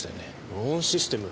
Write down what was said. ローンシステム？